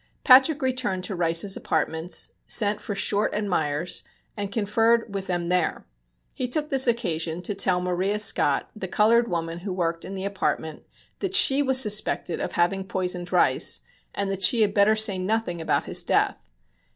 Patrick returned to Rice's apartments, sent for Short and Meyers, and conferred with them there. He took this occasion to tell Maria Scott, the colored woman who worked in the apartment, that she was suspected of having poisoned Rice, and that she had better say nothing about his death.